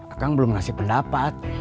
akang belum ngasih pendapat